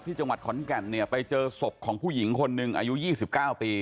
ที่จังหวัดขอนกัลเนี่ยไปเจอศพของผู้หญิงคนนึงอายุยี่สิบเก้าปี